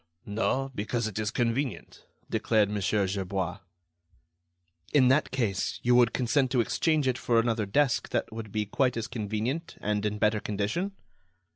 "No; because it is convenient," declared Mon. Gerbois. "In that case, you would consent to exchange it for another desk that would be quite as convenient and in better condition?"